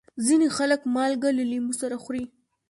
ځینې خلک مالګه له لیمو سره خوري.